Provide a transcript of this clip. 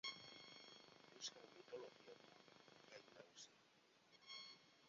Euskal mitologia du gai nagusi.